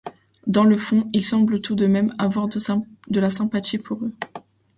Dans le font, il semble tout de même avoir de la sympathie pour eux.